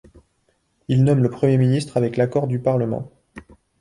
Il nomme le Premier ministre avec l'accord du parlement.